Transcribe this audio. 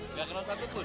nggak kenal satupun